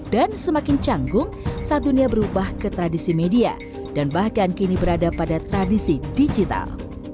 dan semakin canggung saat dunia berubah ke tradisi media dan bahkan kini berada pada tradisi digital